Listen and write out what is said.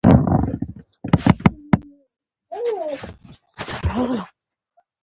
د سرطان کیمیاوي مواد به په ساه کې وپیژندل شي.